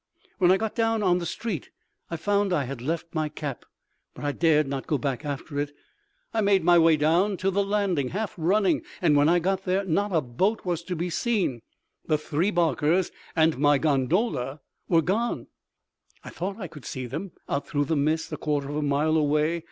When I got down on the street I found I had left my cap, but I dared not go back after it. I made my way down to the landing, half running, and when I got there not a boat was to be seen—the three barcas and my gondola were gone. I thought I could see them, out through the mist, a quarter of a mile away.